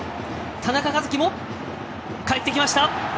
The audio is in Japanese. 田中和基もかえってきました！